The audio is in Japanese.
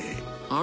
あ。